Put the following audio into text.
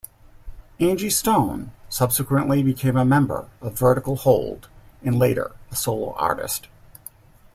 Angie Stone subsequently became a member of Vertical Hold and later a solo artist.